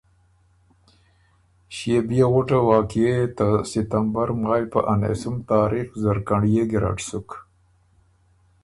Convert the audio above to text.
ݭيې بيې غُټه واقعیه يې ته ستمبر مایٛ په انېسُم تاریخ زرکِنړيې ګیرډ سُک۔